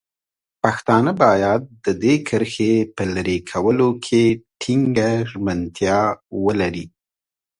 پښتانه باید د دې کرښې په لرې کولو کې ټینګه ژمنتیا ولري.